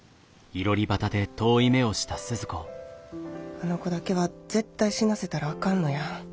あの子だけは絶対死なせたらあかんのや。